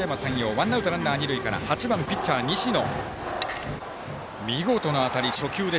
ワンアウト、ランナー、二塁から１番、ピッチャー、西野。